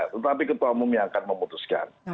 tetapi ketua umum yang akan memutuskan